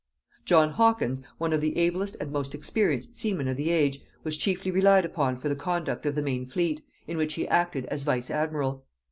John Hawkins, one of the ablest and most experienced seamen of the age, was chiefly relied upon for the conduct of the main fleet, in which he acted as vice admiral.